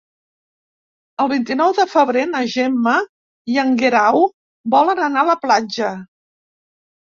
El vint-i-nou de febrer na Gemma i en Guerau volen anar a la platja.